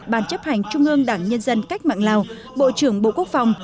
ban chấp hành trung ương đảng nhân dân cách mạng lào bộ trưởng bộ quốc phòng